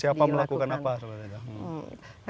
siapa melakukan apa